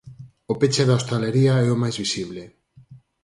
O peche da hostalería é o máis visible.